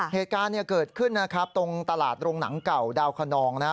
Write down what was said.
เหตุการณ์เนี่ยเกิดขึ้นนะครับตรงตลาดโรงหนังเก่าดาวคนนองนะฮะ